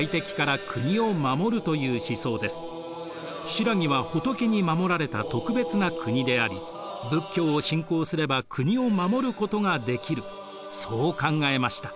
新羅は仏に守られた特別な国であり仏教を信仰すれば国を護ることができるそう考えました。